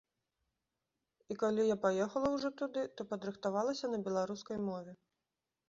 І калі я паехала ўжо туды, то падрыхтавалася на беларускай мове.